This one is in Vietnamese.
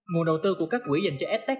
nguồn đầu tư của các quỹ dành cho s tec